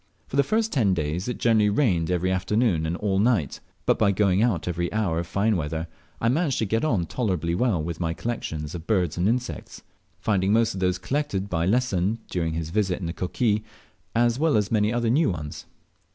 For the first ten days it generally rained every afternoon and all night r but by going out every hour of fine weather, I managed to get on tolerably with my collections of birds and insects, finding most of those collected by Lesson during his visit in the Coquille, as well as many new ones.